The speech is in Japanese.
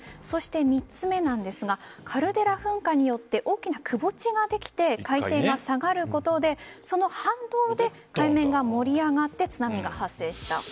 そして３つ目なんですがカルデラ噴火によって大きな窪地ができて海底が下がることでその反動で海面が盛り上がって津波が発生した。